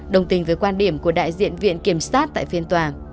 đồng tình với quan điểm của đại diện viện kiểm sát tại phiên tòa